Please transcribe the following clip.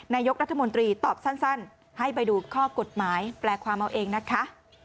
นายกรัฐมนตรีตอบสั้นให้ไปดูข้อกฎหมายแปลความเอาเองนะคะ